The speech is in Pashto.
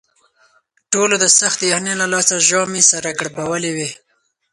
ټولو د سختې یخنۍ له لاسه ژامې سره کړپولې وې.